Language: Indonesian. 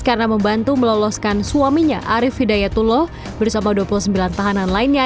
karena membantu meloloskan suaminya arief hidayatullah bersama dua puluh sembilan tahanan lainnya